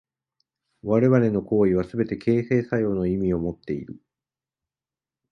我々の行為はすべて形成作用の意味をもっている。